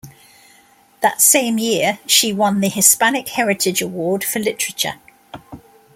That same year, she won the Hispanic Heritage Award for Literature.